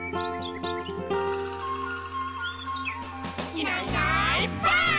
「いないいないばあっ！」